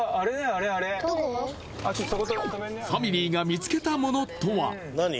あれあれファミリーが見つけたものとは？